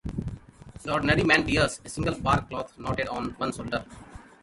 The ordinary man wears a single bark cloth knotted on one shoulder.